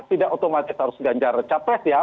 tidak otomatis harus ganjar capres ya